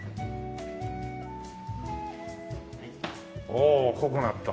おお濃くなった。